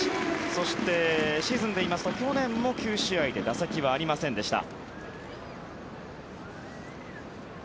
そして、シーズンでいいますと去年も９試合で打席はありませんでした。